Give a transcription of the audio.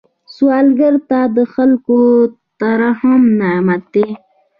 سوالګر ته د خلکو ترحم نعمت دی